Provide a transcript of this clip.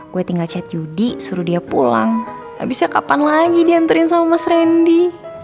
gue tinggal chat yudi suruh dia pulang abisnya kapan lagi dianturin sama mas randy